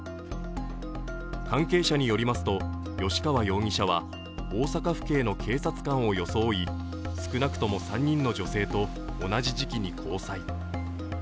関係者によりますと吉川容疑者は大阪府警の警察官を装い、少なくとも３人の女性と同じ時期に交際。